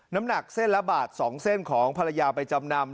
น้ำหนักเส้นละบาท๒เส้นของภรรยาไปจำนำ